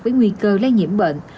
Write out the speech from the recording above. với nguy cơ lây nhiễm bệnh